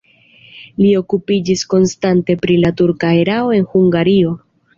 Li okupiĝis konstante pri la turka erao en Hungario.